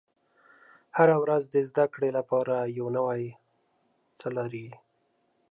• هره ورځ د زده کړې لپاره یو نوی څه لري.